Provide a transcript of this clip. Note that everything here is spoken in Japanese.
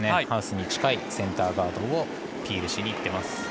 ハウスに近いセンターガードをピールしにいってます。